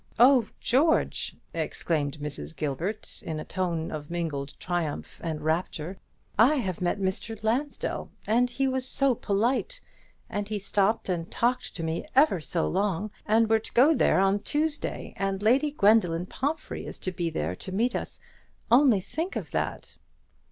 "Oh, George!" exclaimed Mrs. Gilbert, in a tone of mingled triumph and rapture, "I have met Mr. Lansdell, and he was so polite, and he stopped and talked to me ever so long; and we're to go there on Tuesday, and Lady Gwendoline Pomphrey is to be there to meet us, only think of that!"